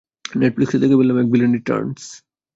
নেটফ্লিক্সে দেখে ফেললাম এক ভিলেন রিটার্ন্স।